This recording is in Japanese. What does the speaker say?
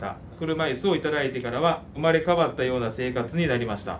車いすを頂いてからは生まれ変わったような生活になりました。